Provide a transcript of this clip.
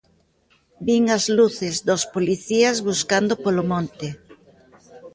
Vin as luces dos policías buscando polo monte.